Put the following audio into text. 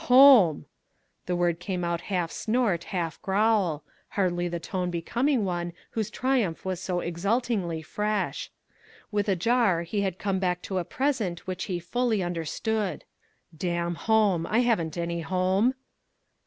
"Home!" The word came out half snort, half growl hardly the tone becoming one whose triumph was so exultingly fresh. With a jar he had come back to a present which he fully understood. "Damn home! I haven't any home!"